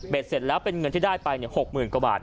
เสร็จแล้วเป็นเงินที่ได้ไป๖๐๐๐กว่าบาท